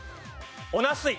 おなすい。